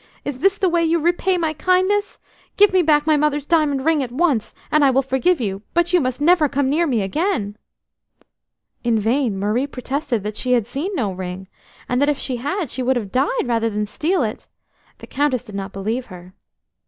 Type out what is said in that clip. Is this the way you repay my kindness? Give me back my mother's diamond ring at once, and I will forgive you, but you must never come near me again." N vain Marie protested that she had seen no ring, and that, if she had, she would have died rather than steal it; the Countess did not believe her.